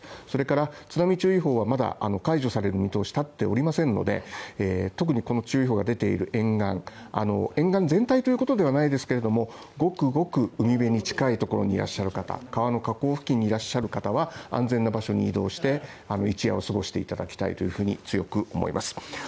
それから津波注意報はまだ解除される見通しが立っていませんので特にこの注意報が出ている沿岸、沿岸全体ということではないですけれども、ごくごく海辺に近いところにいらっしゃる方は安全な場所に移動して、一夜を過ごしてもらいたいと強く思います。